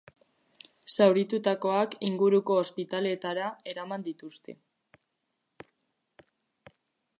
Zauritutakoak inguruko ospitaleetara eraman dituzte.